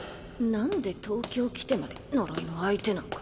なんで東京来てまで呪いの相手なんか。